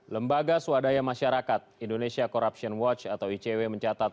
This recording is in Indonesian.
lembaga swadaya masyarakat indonesia corruption watch atau icw mencatat